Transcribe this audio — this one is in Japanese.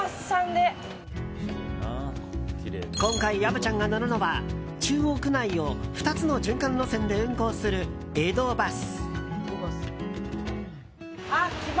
今回、虻ちゃんが乗るのは中央区内を２つの循環路線で運行する、江戸バス。